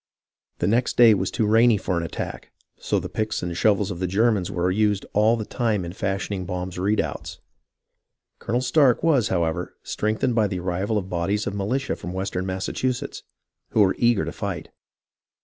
The next day was too rainy for an attack, so the picks and shovels of the Germans were used all the time in fashioning Baum's redoubts. Colonel Stark was, however, strengthened by the arrival of bodies of militia from west ern Massachusetts who were eager to fight.